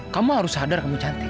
kamu harus sadar kamu cantik